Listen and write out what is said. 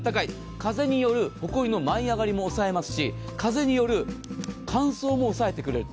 風によるほこりの舞い上がりも抑えますし、風による乾燥も抑えてくれる。